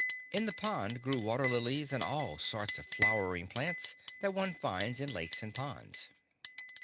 In the pond grew water lilies and all sorts of flowering plants that one finds in lakes and ponds.